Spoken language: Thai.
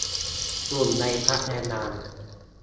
กลุ่มในพรรคแรงงาน